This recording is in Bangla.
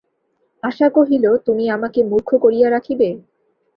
আশা কহিল, তুমি আমাকে মূর্খ করিয়া রাখিবে?